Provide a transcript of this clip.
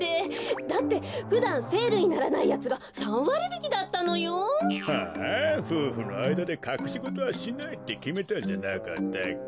だってふだんセールにならないやつが３わりびきだったのよ。はあふうふのあいだでかくしごとはしないってきめたんじゃなかったっけ？